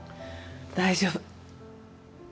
大丈夫。